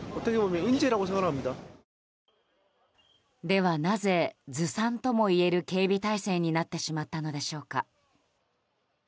では、なぜずさんともいえる警備態勢になってしまったのでしょうか。